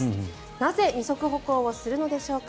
なぜ二足歩行をするのでしょうか。